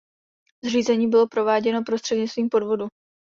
Záření bylo prováděno prostřednictvím podvodu.